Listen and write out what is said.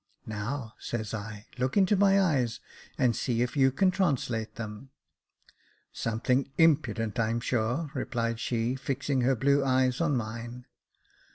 "Now," says I, "look into my eyes, and see if you can translate them." "Something impudent, I'm sure," replied she, fixing her blue eyes on mine."